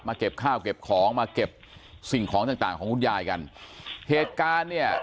เก็บข้าวเก็บของมาเก็บสิ่งของต่างต่างของคุณยายกันเหตุการณ์เนี่ย